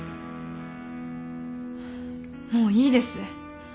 もういいです。